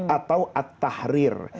atau at tahrir